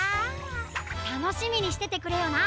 たのしみにしててくれよな。